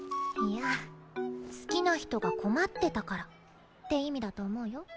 いや好きな人が困ってたからって意味だと思うよ。